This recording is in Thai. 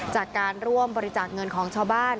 จากการร่วมบริจาคเงินของชาวบ้าน